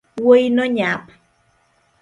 Wuoino nyap